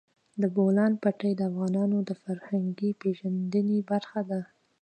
د بولان پټي د افغانانو د فرهنګي پیژندنې برخه ده.